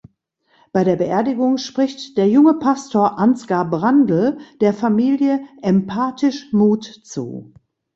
Bei der Beerdigung spricht der junge Pastor Ansgar Brandel der Familie empathisch Mut zu.